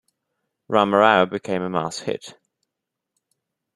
Rama Rao became a mass hit.